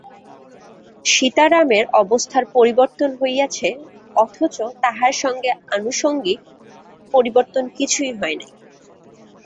সীতারামের অবস্থার পরিবর্তন হইয়াছে, অথচ তাহার সঙ্গে আনুষঙ্গিক পরিবর্তন কিছুই হয় নাই।